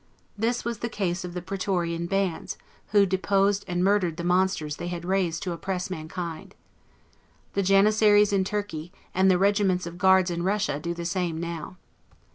This was the case of the Praetorian bands, who deposed and murdered the monsters they had raised to oppress mankind. The Janissaries in turkey, and the regiments of guards in Russia, do the same now.